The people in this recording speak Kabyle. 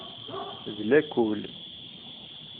D lakul.